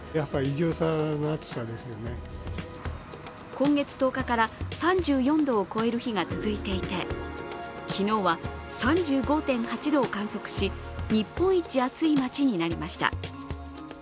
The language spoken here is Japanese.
今月１０日から３４度を超える日が続いていて昨日は、３５．８度を観測し日本一暑い町になりました。